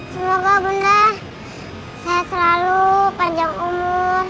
semoga bunda saya selalu panjang umur